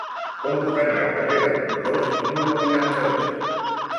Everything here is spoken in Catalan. Com puc anar al carrer de Mont-ros número vuitanta-dos?